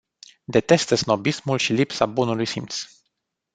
Detestă snobismul și lipsa bunului simț.